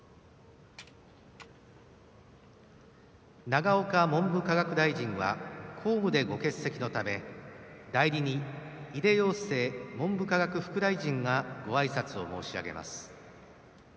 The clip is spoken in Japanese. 永岡文部科学大臣は公務でご欠席のため代理に井出庸生文部科学副大臣がごあいさつを申し上げます。